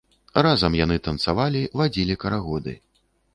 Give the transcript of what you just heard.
Разам яны танцавалі, вадзілі карагоды.